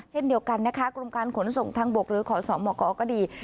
เช่นเดียวกันนะคะกรมการขนส่งทางบกหรือขอสมกก็ดี